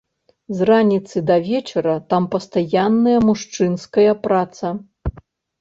З раніцы да вечара там пастаянная мужчынская праца.